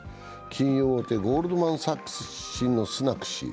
金融大手ゴールドマン・サックス出身のスナク氏。